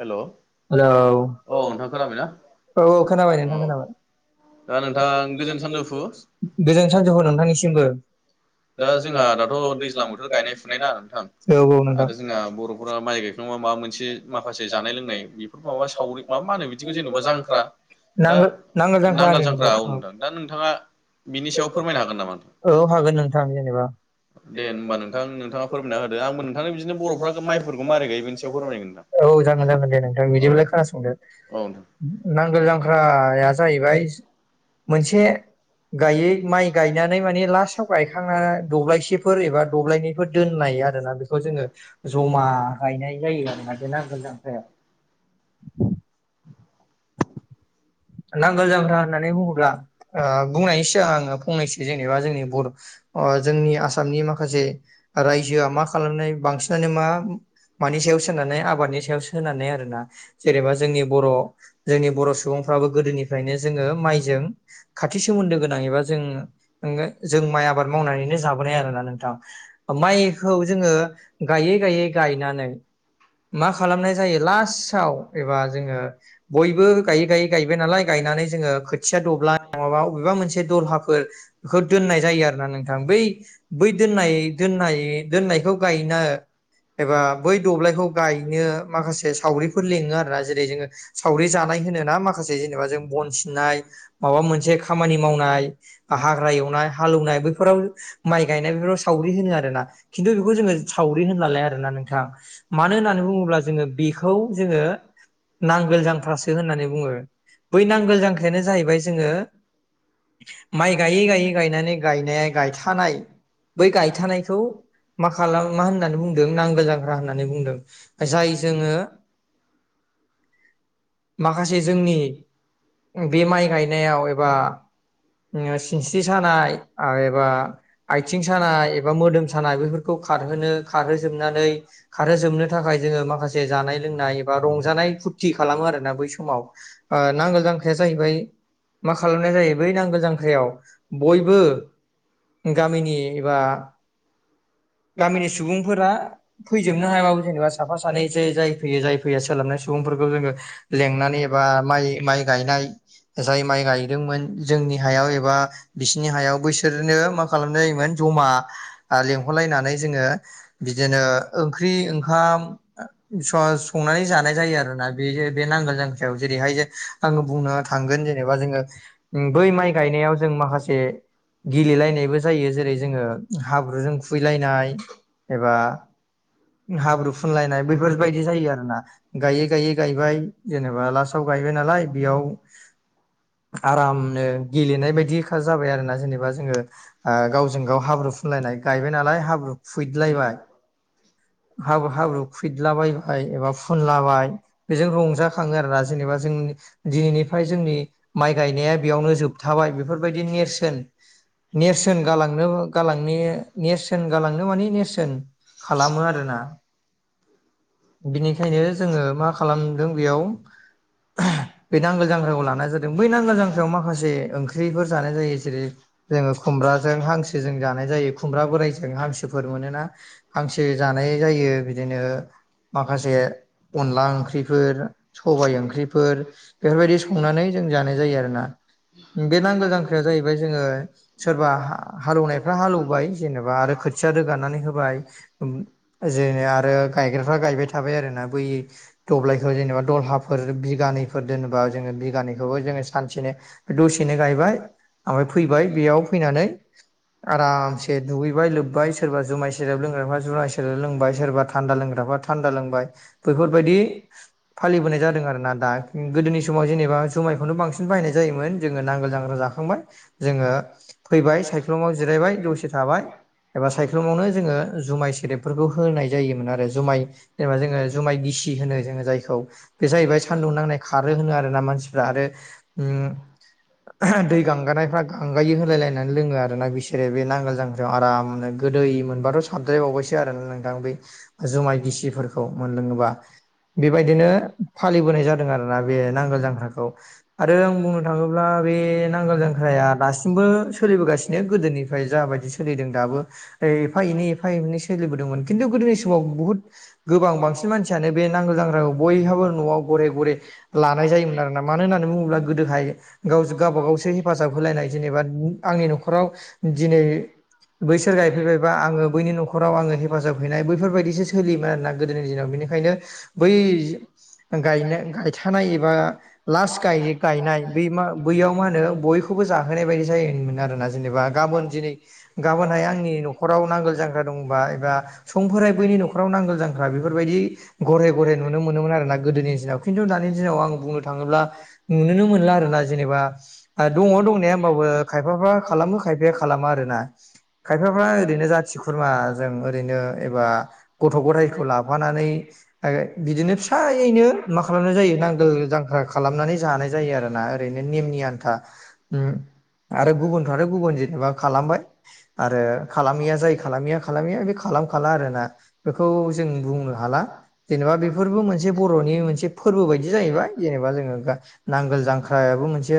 हेल' hello औ औ नोंथां खोनाबायना औ खोनाबाय नोंथां खोनाबाय दा नोंथां गोजोन सानजौफु गोजोन सानजौफु नोंथांनिसिमबो दा जोंहा दाथ' दैज्लां बोथोर गायनाय फुनाय ना नोंथां औ औ नोंथां आरो जोंहा बर'फोरा माइ गायखां मा मोनसे माखासे जानाय लोंनाय बेफोर माबा सावरि माबा मा होनो बिदिखौ जेनेबा जांख्रा दा नांगोल नांगोल होनो जांख्रा औ नोंखौ नोंथां दा नोंथाङा बिनि सायाव फोरमायनो हागोन नामा नोंथां औ हागोन नोंथां जेनेबा दे होनबा नोंथां नोंथाङा फोरमायना होदो आंबो नोंथांनो बिदिनो बर'फ्रा माइफोरखौ मारै गायो बेनि सायाव फोरमायगोनदां औ जागोन जागोन दे नोंथां बिदिब्लालाय खोनासंदो औ नोंथां नांगोल जांख्राया जाहैबाय मोनसे गायै माइ गायनानै माने लास्टाव गायखां दब्लायसेफोर एबा दब्लायनैफोर दोननाय आरोना बेखौ जोङो जमा गायनाय जायो आरोना नांगोल जांख्रायाव नांगोल जांख्रा होननानै बुङोब्ला बुंनायनि सिगां आङो फंनैसो जेनेबा जोंनि बर' जोंनि आसामनि माखासे रायजोआ मा खालामनाय बांसिनानो मा मानि सायाव सोनारनानै आबादनि सायाव सोनारनाय आरोना जेनेबा जोंनि बर' जोंनि बर' सुबुंफोरा [unintelligible] गोदोनिफ्रायनो जोङो माइजों खाथि सोमोन्दो गोनां एबा जों माइ आबाद आबाद मावनानैनो जाबोनाय आरोना नोंथां माइखौ जोङो गायै गायै गायनानै मा खालामनाय जायो लास्टाव एबा जोङो बयबो गायै गायै गायबाय नालाय गायनानै जोङो खोथिया दब्लाय नङाबा बबेबा मोनसे दलहाफोर बेखौ दोननाय जायो आरो आरोना नोंथां बै बै दोननाय दोननाय दोननायखौ गायनो एबा बै दब्लायखौ गायनो माखासे सावरिफोर लिङो आरोना जेरै जोङो सावरि जानाय होनो ना माखासे जेनेबा जों बन सिननाय माबा मोनसे खामानि मावनाय हाग्रा एवनाय हालेवनाय बेफोराव माइ गायनाय बेफोराव सावरि होनो आरोना खिन्थु बेखौ जोङो सावरि होनलालाय आरोना नोंथां मानो होननानै बुङोब्ला जोङो बेखौ जोङो नांगोल जांख्रासो होनना बुङो। बै नांगोल जांख्रायानो जाहैबाय जोङो माइ गायै गायै गायनानै गायनाय गायथानाय बै गायथानायखौ मा खालाम मा होननानै बुंदों नांगौ जांग्रा होननानै बुंदों जाय जोङो [inaudible] माखासे जोंनि बे माइ गायनायाव एबा सिनस्रि सानाय एबा आथिं सानाय एबा मोदोम सानाय बेफोरखौ खारहोनो खारहोजोबनानै खारहोजोबनो थाखाय जोङो माखासे जानाय लोंनाय एबा रंजानाय फुरथि खालामो आरो ना बै समाव ओ नांगोल जांख्राया जाहैबाय मा खालामनाय जायो बै नांगौ जांख्रायाव बयबो गामिनि एबा गामिनि सुबुंफोरा फैजोबनो हायाबाबो जेनेबा साफा सानैसो जाय फैयो जाय फैया सोलाब सुबुंफोरखौ जोङो लेंनानै एबा माइ माइ गायनाय जाय माइ गायदोंमोन जोंनि हायाव एबा बिसिनि हायाव बैसोरनो मा खालामनाय जायोमोन जमा लें हरलायनानै जोङो बिदिनो ओंख्रि ओंखाम सं-संनानै जानाय जायो आरोना बेहो बे नांगोल जांख्रायाव जेरैहाय आङो बुंनो थांगोन जेनेबा जोङो बै माइ गायनायाव जों मा माखासे गेलेलायनायबो जायो जेरै जोङो हाब्रुजों बिलायनाय एबा हाब्रु फुनलायनाय बेफोरबायदि जायो आरो ना गायै गायै गायबाय जेनेबा लास्टाव गायबाय नालाय बेयाव आरामनो गेलेनाय बायदि जाबाय आरोना जेनेबा जोङो गावजों गाव हाब्रुफुनलाय गायबाय नालाय हाब्रु फुइदलायबाय हाब्रु हाब्रु खुइदला बायबाय एबा फुनलाबाय बेजों रंजा खाङो आरोना जेनेबा जों दिनैनिफ्राय जोंनि माइ गायनाया बेयावनो जोबथाबाय बेफोरबायदि। नेरसोन नेरसोन गालांनो गालांनि नेरसोन गालांनो माने नेरसोन खालामो आरोना बिनिखायनो जोङो मा खालामदों बेयाव बे नांगोल जांख्राखौ लानाय जादों बै नांगोल जांख्रायाव माखासे ओंख्रिफोर जानाय जायो जेरै जोङो खुमब्राजों हांसोजों जानाय जायो खुमब्रा बोराइजों हांसोफोर मोनोना हांसो जा जानाय जायो बिदिनो माखासे अनला ओंख्रिफोर सबाइ ओंख्रिफोर बिफोरबादि संनानै जों जानाय जायो आरोना बे नांगोल जांख्राया जाहैबाय जोङो सोरबा हालेवनायफ्रा हालौवबाय जेनेबा आरो खोथिया रोगानानै होबाय जों आरो गायग्राफ्रा गायबाय थाबाय आरोना बै दब्लायखौ जेनेबा दलहाफोर बिगानैफोर दोनोबा जोङो बिगानैखौबो जोङो सानसेनो दसेनो गायबाय। आमफ्राय फैबाय बेयाव फैनानै आरामसे दुगैबाय लोब्बाय सोरबा जुमाय सेरेब लोंग्राफा जुमाय सेरेब लोंबाय सोरबा थान्दा लोंग्राफा था न्दा लोंबाय बेफोरबायदि फालि बोनाय जादों आरोना दा गोदोनि समाव जेनेबा जुमायखौनो बांसिन बाहायनाय जायोमोन जोङो नांगोल जांख्रा जाखांबाय जोङो फैबाय सायख्लुमाव जिरायबाय दसे थाबाय एबा सायख्लुमावनो जोङो जुमाय सेरेबफोरखौ होनाय जायोमोन आरो जुमाय जेनेबा जोङो जुमाय गिसि होनो जोङो जायखौ बे जाहैबाय सानदुं नांनाय खारो होनो आरो ना मानसिफ्रा आरो उ दै गांगानायफ्रा गांगायो होलायलायनानै लोङो आरो ना बिसोरो बे नांगोल जांख्रिायाव आरामनो गोदै मोनबाथ' साबद्रायबावबायसो आरोना नोंथां बे जुमाय गिसि फोरखौ मोनलोङोबा बेबायदिनो फालिबोनाय जादों आरोना बे नांगोल जांख्राखौ आरो आं बुंनो थाङोब्ला बे नांगोल जांख्राया दासिमबो सोलिबोगासिनो गोदोनिफ्राय जाबायदि सोलिदों दाबो एफा एनै एफा ए नै सोलिबोदोंमोन खिथु गोदोनि समाव बुहुत गोबां बांसिन मानसियानो बे नांगौ जांग्राखौ बय हाबो न'आव गरे गरे लानाय जायोमोन आरोना मानो होननानै बुङोब्ला गोदोहाय गाव गावा गावसो हेफाजाब होलायनाय जेनेबा आंनि न'खराव दिनै बैसोर गायफैबायबा आङो बैनि न'खराव आङो हेफाजाब हैनाय बैफोरबायदिसो सोलियोमोन आरोना गोदोनि दिनाव बेनिखायनो बै गायथानाय एबा लास्ट गायनाय बै बैयाव मा होनो बयबो बेखौबो जाहोनाय बायदि जायोमोन आरोना जेनेबा गाबोन दिनै गाबोनहाय आंनि न'खराव नांगोल जांख्रा दंबा एबा समफोराय बैनि न'खराव नांगोल जांख्रा बेफोरबायदि गरे गरे नुनो मोनोमोन। आरोना गोदोनि दिनाव खिथु दानि दिनाव आं बुंनो थाङोब्ला नुनो मोनला आरो ना जेनेबा दङ दंनाया होमबाबो खायफाफ्रा खालामो खायफाया खालामा आरोना खायफाफ्रा ओरैनो जाथि खुरमा जों ओरैनो एबा गथ' गथायखौ ला फानानै ओ बिदिनो फि फिसायैनो मा खालामनाय जायो नांगोल जांख्रा खालामनानै जानाय जायो आरोना ओरैनो नेमनि आन्था। उम आरो गुबुनफ्राथ' गुबुन जेनेबा खालामबाय आरो खालामैया जाय खालामैया खालामैया बे खा खालामखाला आरोना बेखौ जों बुंनो हाला जेनेबा बेफोर मोनसे बर'नि मोनसे फोरबो बायदि जाहैबाय जेनेबा जोङो नांगोल जांख्रायाबो मोनसे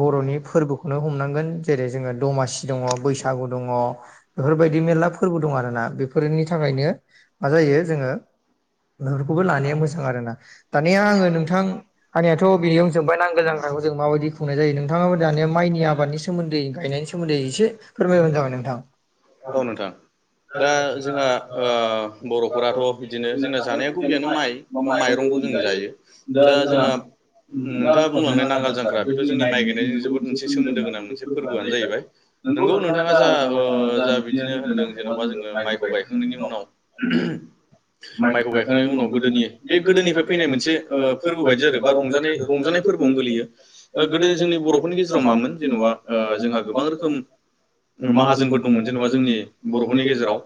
बर'नि फोरबोखौनो हमनांगोन जेरै जोङो दमासि दङ बैसागु दङ बेफोर बेबायदि मेरला फोरबो दं आरोना बेफोरनि थाखायनो मा जायो जोङो खौबो लानाया मोजां आरो ना दानिया आङो नोंथां हानियाथ' बिनियावनो जोंबाया नांगौ जांग्राखौ जों माबायदि खुंनाय जायो नोंथाङाब दानिया माइनि आबादनि सोमोन्दै गायनायनि सोमोन्दैसे फोरमायबानो जाबाय नोंथां औ नोंथां दा जोंहा बर'फोराथ' बिदिनो जोंना जानाय खबियानो माइ बा माइरंखौ जों जायो दा जोंहा नोंथाङा बुंलांनाय नांगाल जांख्रा बेथ' जोंनि माइ गायनायजों जोबोद मोनसे सोमोन्दो गोनां मोनसे फोरबोआनो जाहैबाय। नोंगौ नोंथाङा जा ओ जा बिदिनो होन्दों जेन'बा जोङो माइखौ गायखांनायनि उनाव माइखौ गाय खांनायनि उनाव गोदोनि बे गोदोनिफाय फैनाय मोनसे ओ फोरबो बायदि जादो बा रंजानाय रंजानाय फोरबोआवनो गोलैयो। ओ गोदो जोंनि बर'फोरनि गेजेराव मामोन जेन'बा ओ जोंहा गोबां रोखोम ओ माहाजोनफोर दंमोन जेन'बा जोंनि बर'फोरनि गेजेराव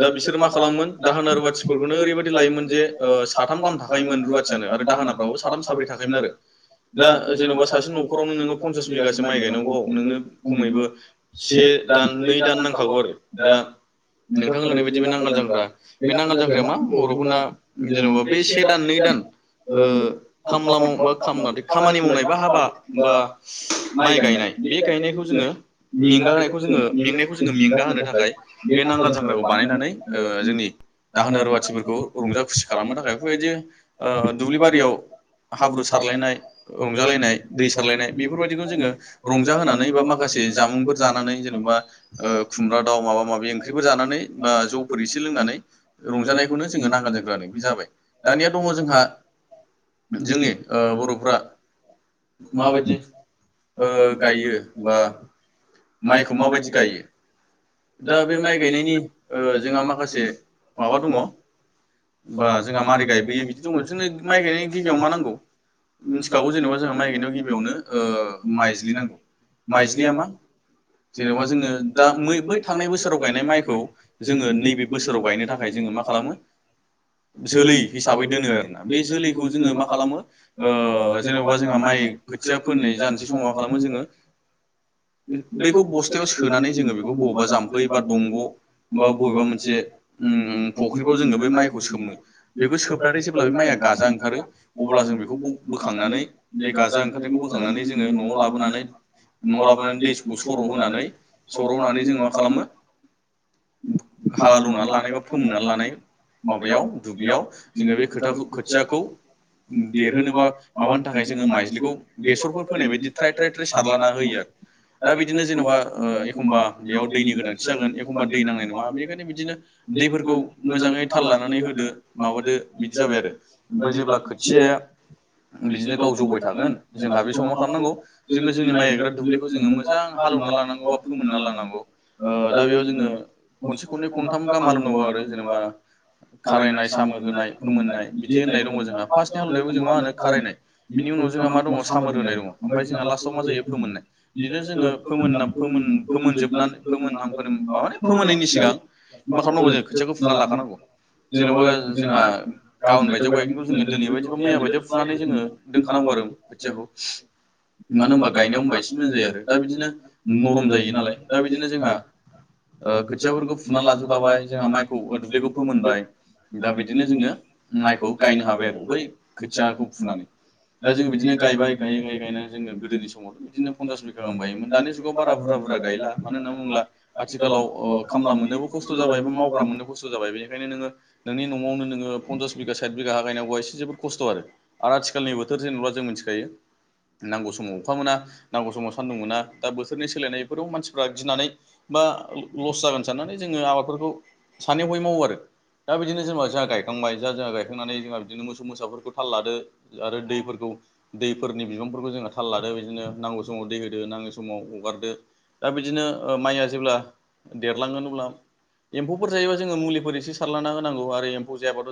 दा बिसोरो माख खालागोन दाहोना रुवाथिफोरखौनो ओरैबायदि लायोमोन जे ओ साथाम गाहाम थाखायोमोन रुवाथियानो आरो दाहोनाफ्राबो साथाम साब्रै थाखायोमोन आरो। दा जेन'बा सासे न'खरावनो नोङो फन्सास बिगासो माइ गायनांगोआव नोंनो खमैबो से से दान नै दान नांखागौ आरो दा नोंथां नोंथांनि साननाय लानाय बायदि बायदिबा नांगोल नांगाल जांगा जांख्रा फोरा बे नांगोल नांगाल जांख्राया मा बर'फोरना जेन'बा बे से दान नै दान ओ खामला मावनोबा खामना दे खामानि मावनाय बा हाबा बा माइ गायनाय। बे गायनायखौ जोङो मेंगानायखौ जोङो मेंनायखौ जोङो मेंगा होनो थाखाय बे नांगाल जांग्राखौ बानायनानै ओ जोंनि दाहोना रुवाथिफोरखौ रंजा खुसि खालामनो थाखाय बेफोरबायदि ओ दुब्लि बारियाव हाब्रु सारलायनाय रंजालायनाय दै सारलायनाय बेफोरबायदिखौ जोङो रंजाहोनानै बा माखासे से जामुंफोर जानानै जेन'बा ओ खुमब्रा दाउ माबा माबि ओंख्रिफोर जानानै बा जौ फोर एसे लोंनानै रंजानायखौनो जोङो जोंनो नांगाल नांगोन जांख्रा आरो होनो बे बिदि जादों। जाबाय दानिया दङ' जोंहा जोंनि ओ बर'फ्रा माबायदि ओ गायो बा माइखौ माबायदि गायो दा बे माइ गायनायनि ओ जोंहा माखासे माबा दङ' ओम्बा जोङा मारै गायबोयो बिदि दङ' जोंनो माइ गायनायनि गिबियाव मा नांगौ। मिन्थिखागौ जेन'बा जोंहा माइ गायनायाव गिबियावनो ओ माइज्लि नांगौ। माइज्लिया मा जेनेबा जोङो दा मै-बै थांनाय बोसोराव गायनाय माइखौ जोङो नैबे बोसोराव गायनो थाखाय जोङो मा खालामो जोलै हिसाबै दोनो आरोना बे जोलैखौ जोङो मा खालामो ओ जेन'बा जोंहा माइ खोथिया फोनाय जानोसै समाव मा खालामो जोङो बेखौ बस्थायाव सोनानै जोङो बेखौ बबावबा जाम्फै बा दंग' बा बबेबा मोनसे उम फख्रिफ्राव जोङो बे माइ खौ सोमो बेबो सोबनानै जेब्ला बे माइआ गाजा ओंखारो अब्ला जों बेखौ बो-बोखांनानै बे गाजा ओंखारनायखौ बोखांनानै जोङो न'आव लाबोनानै न'आव लाबोनानै दैखौ सर' होनानै सर' होनानै जोङो मा खालामो खालामना हालौवनानै लानाय लानायखौ बा बुंना फोमोननानै लानाय माबायाव दुब्लियाव जोङो बे खोथाखो खोथियाखौ देरहोनोबा माबानि थाखाय जोङो माइज्लिखौ बेसरफोर फोनाय बायदि थ्राय थ्राय थ्राय सारलाना होयो आरो दा बिदिनो जेन'बा ओ एखम्बा बेयाव दैनि गोनांथि जागोन एखम्बा दै नांनाय नङा। बेनिखायनो बिदिनो दैफोरखौ मोजाङै थाल लानानै होदो माबादो बिदि जाबाय आरो ओमफाय जेब्ला खोथियाया बिदिनो गाव जौबाय थागोन जोंहा बे समाव मा खालामनांगौ जोङो जोंनि माइ गायग्रा दुब्लिखौ जोङो मोजां हा हालौवना लानांगौ बा फोमोन्ना लानांगौ ओ दा बेयाव जोङो खनसे खन्नै खनथाम गाहाम हालेवनांगौ आरो जेनेबा खारायनाय सामोर होनाय फोमोन्नाय बिदि होन्नाय दङ' जोंहा फास्टनि हालेवनायखो जों मा होनो खारायनाय बिनि उनाव जों मा दङ' सामोर होनाय दङ' ओमफाय जोङा लास्टआव मा जायो फोमोन्नाय बिदिनो जोङो फोमोन्ना फोमोन फोमोन जोबनानै फोमोनहां माने फोमोननायनि सिगां मा खालामनांगौ खालामगोन जों खोथियाखौ फुना फुनानै लानांगौ लाखानांगौ। जेन'बा जोंहा गाबोन गायदेर बायदियाव गायखोनखौ जोङो बायमोन दिनै दोनै बैखौ मैया बायदिव गायदेर फुनानै जोङो दोनखानांगौ। खौ आरो जोङो खोथियाखौ। मानो होम्बा गायनायाव होम्बा एसे मोजां जायो आरो ।दा बिदिनो नरम जायो नालाय दा बिदिनो जोंहा ओ खोथियाफोरखौ फुना लाजोबखाबाय जोंहा माइखौ ओ दुब्लि होनबाय दा बिदिनो जोङो माइखौ गायनो हाबाय आरो बै खोथियाखौ फुनानै दा जोङो बिदिनो गायबाय गायै गायै गायनानै जोङो गोदोनि समावथ' बिदिनो फन्सास बिगा गाहाम गायोमोन दानि जुगाव बारा बुरजा बुरजा गायला मानो होननानै बुंब्ला आथिखालाव ओ खामला मोननोबो खस्थ' जाबाय बा मावग्रा मोननो खस्थ' जाबाय। ओंखायनो नोङो नोंनि न'आवनोङो फनसास बिगा साथ बिघा गायनांगौआ एसे जोबोद खस्थ' आरो आथिखालनिबोथ' सोर जेनेबा जों मिथिखायो नांगौ समाव अखा मोना नांगौ समाव सान्दुं मोना। दा बोथोरनि सोलायनायफोराव मानसिफ्रा गिनानै बा लस जागोन साननानै जोङो आबादफोरखौ सानै हयै मावो आरो। दा बिदिनो जोंङो जोंहा जा गायखांबाय जा जा गायखांनानै जोंहा बिदिनो मोसौ मोसाफोरखौ थाल लादो आरो दै फोरखौ दैफोरनि बिबांफोरखौ जोङो थाल लादो बिदिनो नांगौ समाव दै होदो नाङै समाव हगारदो दा बिदिनो माइआ जेब्ला देरलाङोन अब्ला एम्फौफोर जायोबा जोङो मुलिफोर एसे सारलाना होनांगौ आरो एमफौ जायाबाथ'